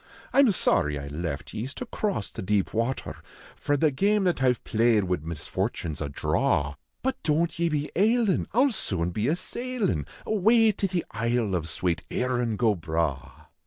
I m sorry I left ye s to cross the deep water, For the game that I ve played wid misfortune s a draw ; But don t ye be ailin , I ll soon be a sailin Awav to the isle of swate " Krin go Bragli."